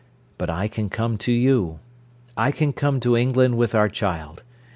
But I can come to you. I can come to England with our child.